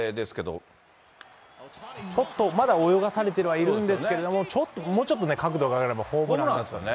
ちょっとまだ泳がされてはいるんですけれども、もうちょっと角度があればホームランですよね。